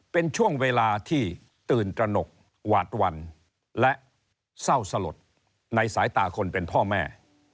เป็นช่วงเวลาที่ตื่นตระหนกหวาดวันและเศร้าสลดในสายตาคนเป็นพ่อแม่